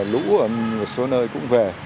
lũ ở một số nơi cũng về